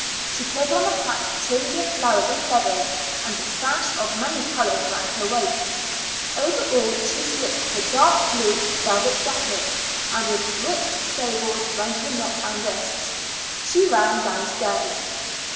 She put on a hat trimmed with flowers and feathers, and a sash of many colors round her waist. Over all she slipped her dark blue velvet jacket, and with rich sables round her neck and wrists, she ran downstairs.